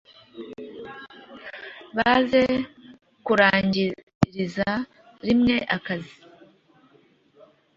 baze kurangiriza rimwe akazi